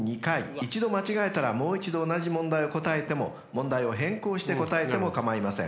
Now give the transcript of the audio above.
［一度間違えたらもう一度同じ問題を答えても問題を変更して答えても構いません］